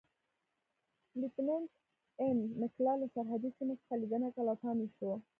لیتننت اېن میکلر له سرحدي سیمو څخه لیدنه کوله او پام یې شو.